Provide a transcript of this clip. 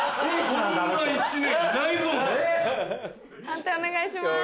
判定お願いします。